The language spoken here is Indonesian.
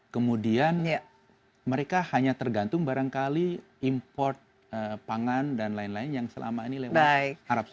kemudian mereka hanya tergantung barangkali import pangan dan lain lain yang selama ini lewat arab saudi